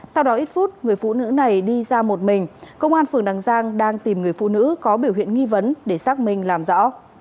sau đó ít phút người phụ nữ này đi ra một mình công an phường đằng giang đang tìm người phụ nữ có biểu hiện nghi vấn để xác minh làm rõ